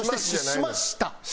しました？